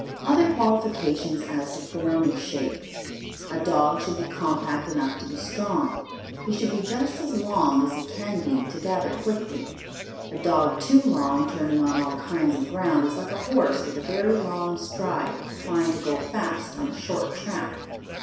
Other qualifications as to form and shape. A dog should be compact enough to be strong. He should be just as long as he can be to gather quickly. A dog too long turning on all kinds of ground is like a horse with a very long stride trying to go fast on a short track.